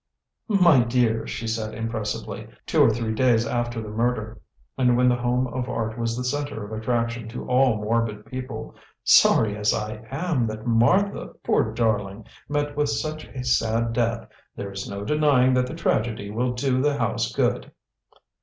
"My dear," she said impressively, two or three days after the murder, and when The Home of Art was the centre of attraction to all morbid people, "sorry as I am that Martha, poor darling, met with such a sad death, there is no denying that the tragedy will do the house good."